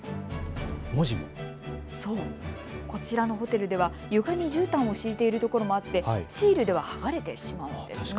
こちらのホテルでは床にじゅうたんを敷いているところもあってシールでは剥がれてしまうんですね。